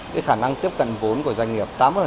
cái khả năng tiếp cận vốn của doanh nghiệp